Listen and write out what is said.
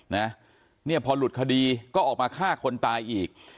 เนี่ยพอหลุดคดีก็ออกมาฆ่าคนตายอีก